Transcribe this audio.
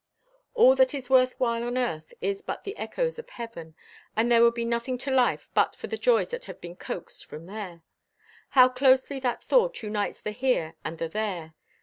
All that is worth while on earth is but the echoes of Heaven, and there would be nothing to life but for the joys that have been "coaxed" from there. How closely that thought unites the here and the there.